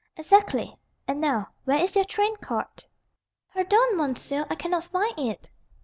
"Exactly. And now, where is your train card?" "Pardon, monsieur, I cannot find it."